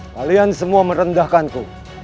kalian semua merendahkanku